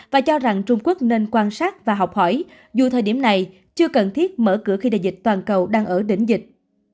và cho rằng trung quốc nên quan sát và học hỏi dù thời điểm này chưa cần thiết mở cửa khi đại dịch toàn cầu đang ở đỉnh dịch